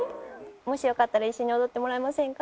もしよかったら一緒に踊ってもらえませんか？